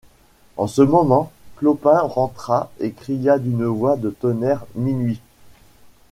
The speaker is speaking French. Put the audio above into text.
En ce moment Clopin rentra et cria d’une voix de tonnerre : Minuit !